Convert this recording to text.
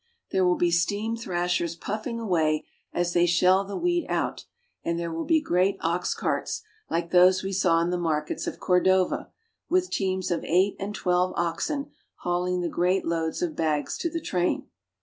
There will be steam thrashers puffing away as they shell the wheat out, and there will be great ox carts, like those we saw in the markets of Cordova, with teams of eight and twelve oxen hauling the great loads of bags to the train.